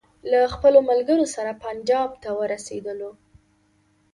له خپلو ملګرو سره پنجاب ته ورسېدلو.